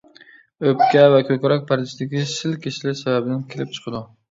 ئۆپكە ۋە كۆكرەك پەردىسىدىكى سىل كېسىلى سەۋەبىدىن كېلىپ چىقىدۇ.